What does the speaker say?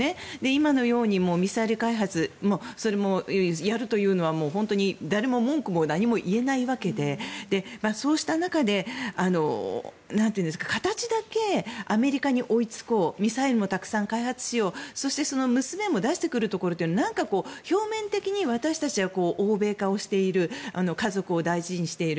今のようにミサイル開発それもやるというのは本当に誰も文句も何も言えないわけでそうした中で形だけアメリカに追いつこうミサイルもたくさん開発しようそしてその娘も出してくるところというのがなんかこう、表面的に私たちは欧米化をしている家族を大事にしている。